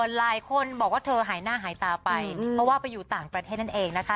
หลายคนบอกว่าเธอหายหน้าหายตาไปเพราะว่าไปอยู่ต่างประเทศนั่นเองนะคะ